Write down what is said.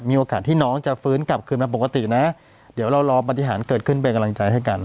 มีโอกาสที่น้องจะฟื้นกลับคืนมาปกตินะเดี๋ยวเรารอปฏิหารเกิดขึ้นเป็นกำลังใจให้กัน